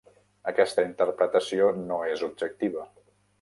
Aquesta interpretació no és objectiva.